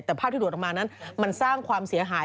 แต่ภาพที่โดดออกมานั้นมันสร้างความเสียหาย